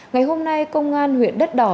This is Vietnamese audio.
ngày hôm nay công an huyện đất đỏ